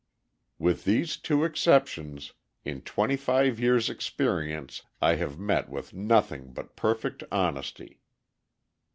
With these two exceptions, in twenty five years' experience I have met with nothing but perfect honesty.